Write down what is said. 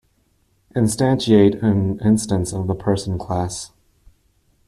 Instantiate an instance of the Person class.